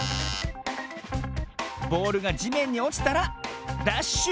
ボールがじめんにおちたらダッシュ！